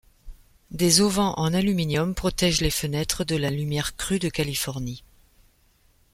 Des auvents en aluminium protègent les fenêtres de la lumière crue de Californie.